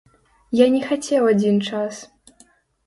Я не хацеў адзін час.